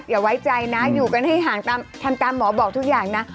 อย่าไว้ใจนะอยู่กันให้ห่างทำตามหมอบอกทุกอย่างนะ